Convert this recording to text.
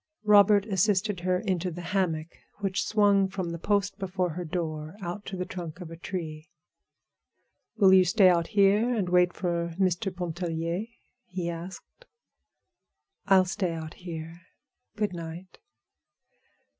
Robert assisted her into the hammock which swung from the post before her door out to the trunk of a tree. "Will you stay out here and wait for Mr. Pontellier?" he asked. "I'll stay out here. Good night."